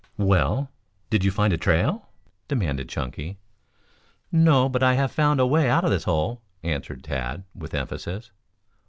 "Well, did you find a trail?" demanded Chunky. "No, but I have found a way out of this hole," answered Tad, with emphasis.